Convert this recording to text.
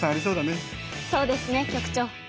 そうですね局長。